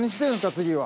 次は。